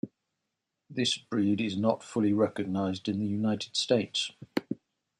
This breed is not fully recognized in the United States.